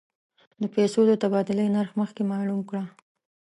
د پیسو د تبادلې نرخ مخکې معلوم کړه.